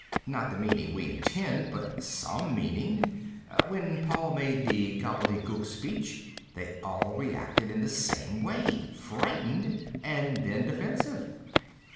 Not the meaning we intend, but some meaning. When Paul made the gobbledygook speech, they all reacted in the same way frightened, and then defensive.